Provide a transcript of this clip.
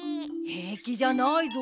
へいきじゃないぞ。